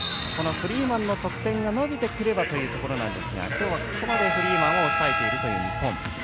フリーマンの得点が伸びてくればというところですが今日はここまでフリーマンを抑えているという日本。